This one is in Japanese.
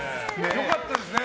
良かったですね。